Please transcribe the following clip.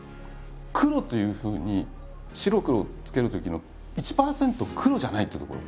黒というふうに白黒つけるときの１％黒じゃないっていうところ。